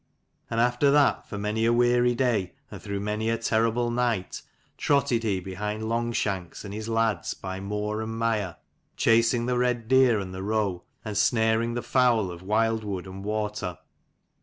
And after that, for many a 104 weary day and through many a terrible night, trotted he behind long shanks and his lads by moor and mire, chasing the red deer and the roe, and snaring the fowl of wild wood and water.